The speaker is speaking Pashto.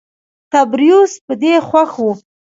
تبریوس په دې خوښ و.